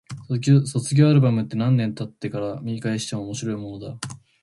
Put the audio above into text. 卒業アルバムって、何年経ってから見返しても面白いものだ。